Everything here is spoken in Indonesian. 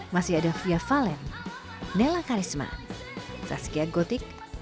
masih ada fia fallen nella karisma saskia gotik